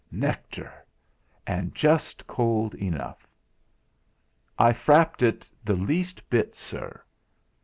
Nectar! And just cold enough! "I frapped it the least bit, sir."